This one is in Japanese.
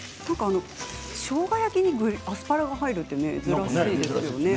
しょうが焼きにアスパラが入るって珍しいですよね。